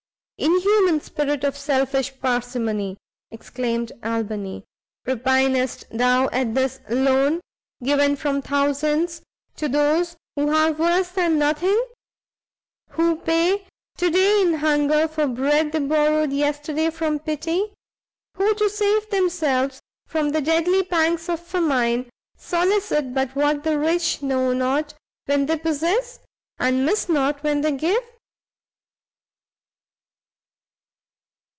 "Inhuman spirit of selfish parsimony!" exclaimed Albany, "repinest thou at this loan, given from thousands to those who have worse than nothing? who pay to day in hunger for bread they borrowed yesterday from pity? who to save themselves from the deadly pangs of famine, solicit but what the rich know not when they possess, and miss not when they give?"